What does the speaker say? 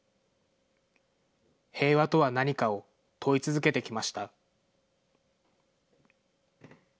平和とは何かを問い続けてきました。